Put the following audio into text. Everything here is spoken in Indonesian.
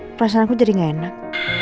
perasaan aku jadi gak enak